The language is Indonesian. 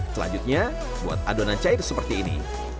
selanjutnya buat adonan cair seperti ini